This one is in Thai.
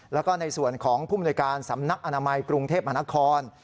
แล้วก็ในส่วนของผู้มนวยการสำนักอนามัยกรุงเทพมหานคร